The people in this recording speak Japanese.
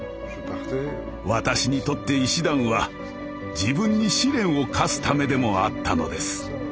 私にとって医師団は自分に試練を課すためでもあったのです。